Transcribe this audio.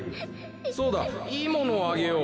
そうだいいものをあげよう。